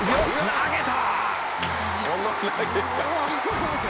投げた！